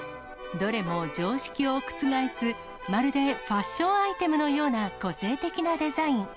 どれも常識を覆す、まるでファッションアイテムのような個性的なデザイン。